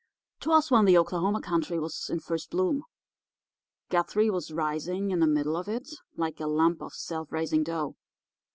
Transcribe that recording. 'Twas when the Oklahoma country was in first bloom. Guthrie was rising in the middle of it like a lump of self raising dough.